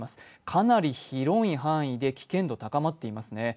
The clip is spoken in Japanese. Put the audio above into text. かなり広い範囲で危険度、高まっていますね。